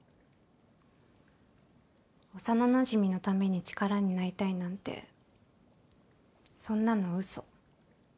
幼なじみのために力になりたいなんてそんなの嘘。